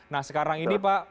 nah sekarang ini pak